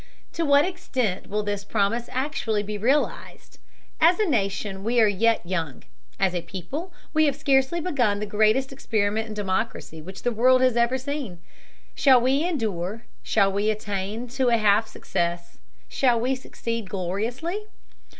To what extent will this promise actually be realized? As a nation we are yet young, as a people we have scarcely begun the greatest experiment in democracy which the world has ever seen. Shall we endure, shall we attain to a half success, shall we succeed gloriously?